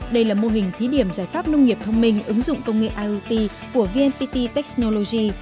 đây là mô hình thí điểm giải pháp nông nghiệp thông minh ứng dụng công nghệ iot của vnpt techsnology